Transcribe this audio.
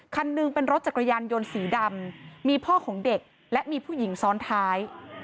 คันหนึ่งเป็นรถจักรยานยนต์สีดำมีพ่อของเด็กและมีผู้หญิงซ้อนท้าย